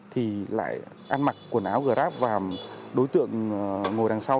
thì lại ăn mặc quần áo grab và đối tượng ngồi đằng sau